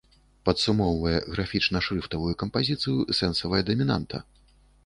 Падсумоўвае графічна-шрыфтавую кампазіцыю сэнсавая дамінанта.